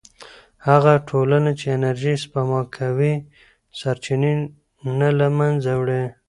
هغه ټولنه چې انرژي سپما کوي، سرچینې نه له منځه وړي.